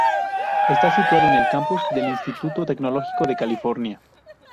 Está situado en el campus del Instituto Tecnológico de California.